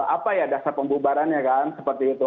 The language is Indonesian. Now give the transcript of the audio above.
apa ya dasar pembubarannya kan seperti itu